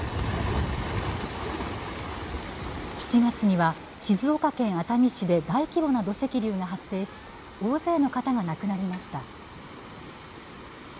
７月には静岡県熱海市で大規模な土石流が発生し大勢の方が亡くなりました。